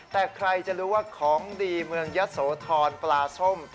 แต่ใครจะรู้ว่าของดีเมืองยะโสธรปลาส้ม